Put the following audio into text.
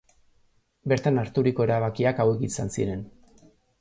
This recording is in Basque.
Bertan harturiko erabakiak hauek izan ziren.